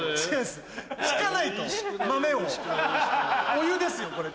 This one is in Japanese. お湯ですよこれ。